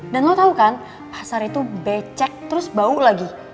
dan lo tau kan pasar itu becek terus bau lagi